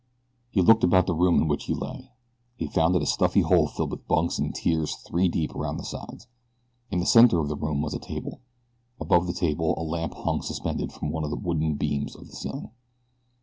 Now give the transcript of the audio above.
He looked about the room in which he lay. He found it a stuffy hole filled with bunks in tiers three deep around the sides. In the center of the room was a table. Above the table a lamp hung suspended from one of the wooden beams of the ceiling.